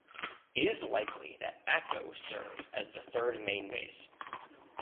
It is likely that Acco served as the third main base.